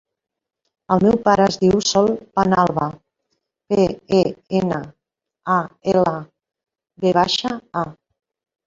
El meu pare es diu Sol Penalva: pe, e, ena, a, ela, ve baixa, a.